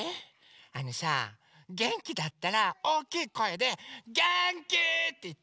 あのさげんきだったらおおきいこえで「げんき！」っていって。